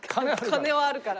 「金はあるから」。